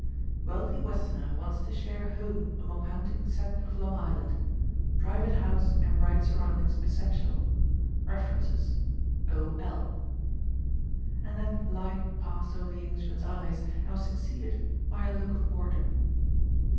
"Wealthy westerner wants to share home among hunting set of Long Island. Private house and right surroundings essential. References. O. L." And that light passed over the Englishman's eyes, and was succeeded by a look of boredom.